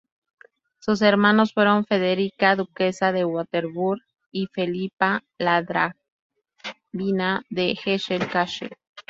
Sus hermanas fueron Federica, duquesa de Wurtemberg, y Felipa, landgravina de Hesse-Kassel.